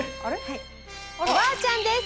おばあちゃんです。